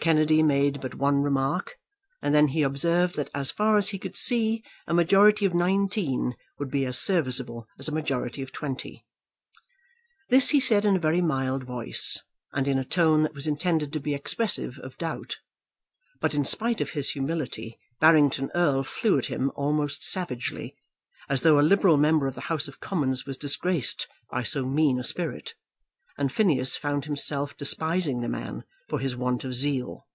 Kennedy made but one remark, and then he observed that as far as he could see a majority of nineteen would be as serviceable as a majority of twenty. This he said in a very mild voice, and in a tone that was intended to be expressive of doubt; but in spite of his humility Barrington Erle flew at him almost savagely, as though a liberal member of the House of Commons was disgraced by so mean a spirit; and Phineas found himself despising the man for his want of zeal.